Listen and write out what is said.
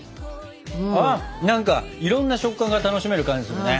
何かいろんな食感が楽しめる感じするね。